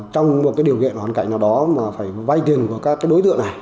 trong một điều kiện hoàn cảnh nào đó mà phải vay tiền của các đối tượng này